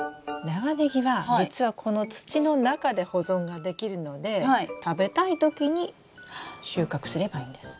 長ネギは実はこの土の中で保存ができるので食べたい時に収穫すればいいんです。